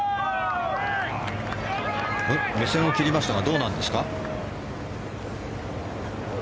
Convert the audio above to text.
目線を切りましたがどうなんですか？